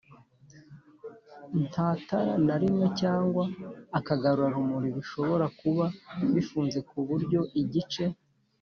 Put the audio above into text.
Nta tara na rimwe cyangwa akagarurumuri bishobora kuba bifunze ku buryo igice